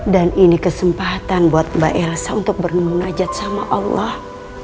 dan ini kesempatan buat mbak yasa untuk bernunajat sama allah